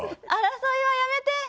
争いはやめて！